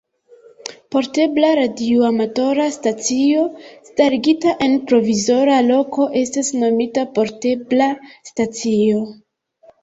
Portebla radioamatora stacio starigita en provizora loko estas nomita portebla stacio.